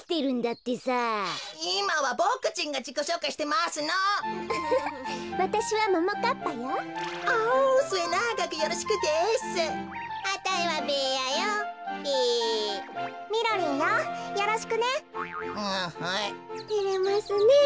てれますねえ。